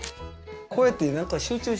こうやって何か集中してる